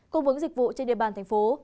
cung bứng dịch vụ trên địa bàn thành phố